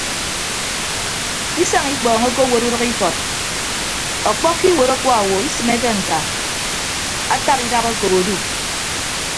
Isañ ikpọọñ okowot udʌkikọt ọkpọkkọ iwuot akuaowo isịmeke ñka ataba idap okop odu.